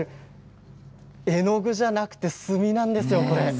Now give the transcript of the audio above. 絵の具じゃなくて墨なんですよ、これ。